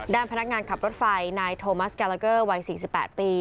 พนักงานขับรถไฟนายโทมัสกาลาเกอร์วัย๔๘ปี